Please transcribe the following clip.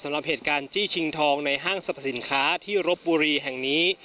สำหรับเหตุการณ์จี้ชิงทองในห้างสรรพสินค้าที่รบบุรีแห่งนี้